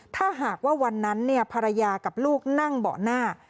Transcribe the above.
ถ้าหากว่าวันนั้นภรรยากับลูกนั่งเบาะหน้า